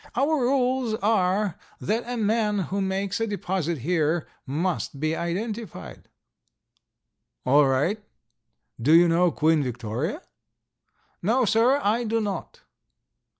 Our rules are that a man who makes a deposit here must be identified." "All right. Do you know Queen Victoria?" "No, sir; I do not."